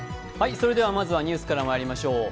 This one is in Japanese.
まずはニュースからまいりましょう。